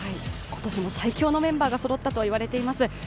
今年も最強のメンバーがそろったと言われています。